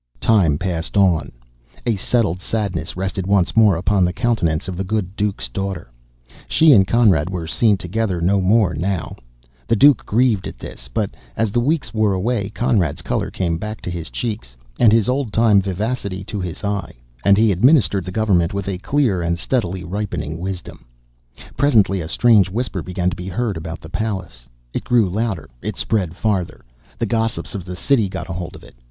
Time passed on. A settled sadness rested once more upon the countenance of the good Duke's daughter. She and Conrad were seen together no more now. The Duke grieved at this. But as the weeks wore away, Conrad's color came back to his cheeks and his old time vivacity to his eye, and he administered the government with a clear and steadily ripening wisdom. Presently a strange whisper began to be heard about the palace. It grew louder; it spread farther. The gossips of the city got hold of it.